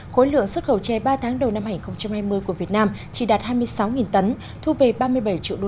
khối lượng xuất khẩu tre ba tháng đầu năm hai nghìn hai mươi của việt nam chỉ đạt hai mươi sáu tấn thu về ba mươi bảy triệu usd